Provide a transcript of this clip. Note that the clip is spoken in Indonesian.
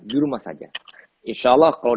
di rumah saja insya allah kalau